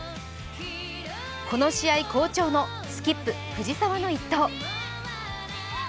この試合好調のスキップ・藤澤の一投。